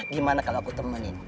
gimana kalau aku temanin